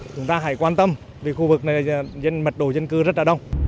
chúng ta hãy quan tâm vì khu vực này mật đồ dân cư rất là đông